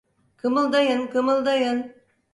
Kımıldayın, kımıldayın!